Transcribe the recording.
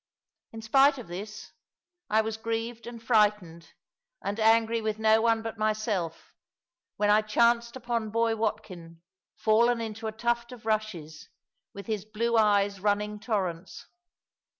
In spite of this, I was grieved and frightened, and angry with no one but myself, when I chanced upon boy Watkin, fallen into a tuft of rushes, with his blue eyes running torrents.